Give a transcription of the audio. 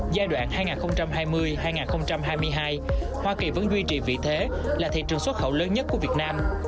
giai đoạn hai nghìn hai mươi hai nghìn hai mươi hai hoa kỳ vẫn duy trì vị thế là thị trường xuất khẩu lớn nhất của việt nam